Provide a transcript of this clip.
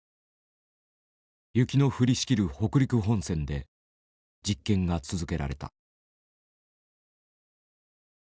雪の降りしきる北陸本線で実験が続けられた。